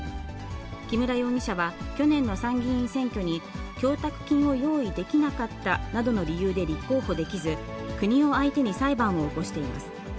木村容疑者は去年の参議院選挙に、供託金を用意できなかったなどの理由で立候補できず、国を相手に裁判を起こしています。